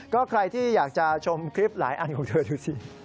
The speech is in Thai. ก็ใครที่อยากจะชมคลิปหลายอันของเธอดูสิ